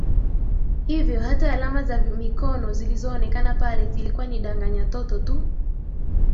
Hivyo hata alama za mikono zilizoonekana pale zilikuwa ni danganya toto tu